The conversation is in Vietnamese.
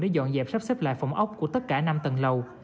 để dọn dẹp sắp xếp lại phòng ốc của tất cả năm tầng lầu